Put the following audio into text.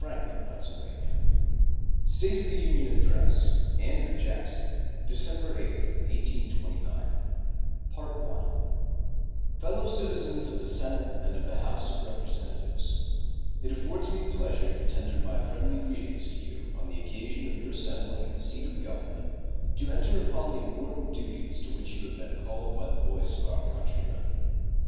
JOHN QUINCY ADAMS State of the Union Address Andrew Jackson December 8, 1829 Fellow Citizens of the Senate and of the House of Representatives: It affords me pleasure to tender my friendly greetings to you on the occasion of your assembling at the seat of Government to enter upon the important duties to which you have been called by the voice of our country men.